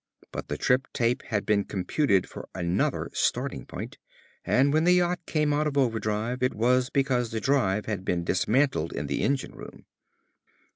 But the trip tape had been computed for another starting point, and when the yacht came out of overdrive it was because the drive had been dismantled in the engine room.